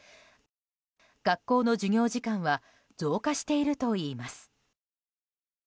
学校の授業時間は増加しているといいます。